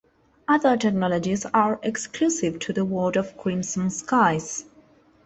Other technologies are exclusive to the world of "Crimson Skies".